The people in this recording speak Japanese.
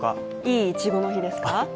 いいいちごの日ですか？